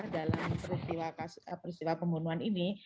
dalam peristiwa pembunuhan ini